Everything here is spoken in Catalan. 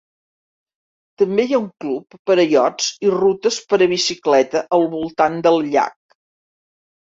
També hi ha un club per a iots i rutes per a bicicleta al voltant del llac.